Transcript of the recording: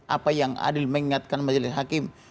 apa yang adil mengingatkan majelis hakim